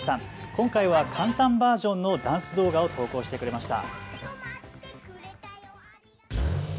今回は簡単バージョンのダンス動画を投稿してくれました。